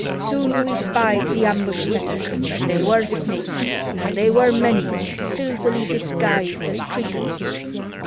Soon we spied the ambush setters. They were Snakes and they were many, filthily disguised as Cretans."